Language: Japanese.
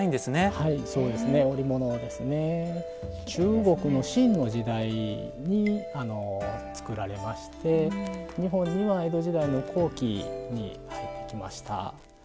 中国の清の時代に作られまして日本には江戸時代の後期に入ってきました。